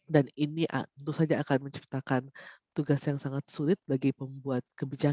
dan ini tentu saja akan menciptakan tugas yang sangat sulit bagi pembuat